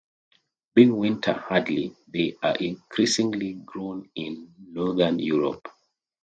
Being winter-hardy, they are increasingly grown in Northern Europe.